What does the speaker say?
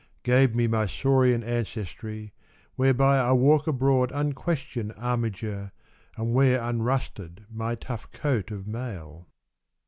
Gave me my saurian ancestry, whereby I walk abroad unquestioned armiger. And wear unrusted my tough coat of mail.